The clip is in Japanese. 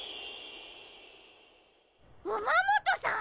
ウマモトさん！？